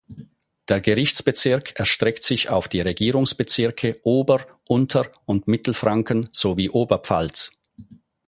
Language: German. Der Gerichtsbezirk erstreckt sich auf die die Regierungsbezirke Ober-, Unter- und Mittelfranken sowie Oberpfalz.